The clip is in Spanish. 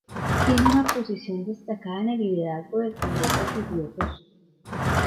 Tiene una posición destacada en el liderazgo del Congreso judío ruso.